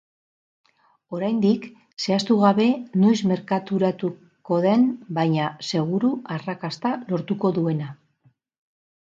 Oraindik, zehaztu gabe noiz merkaturako den baina seguru arrakasta lortuko duena.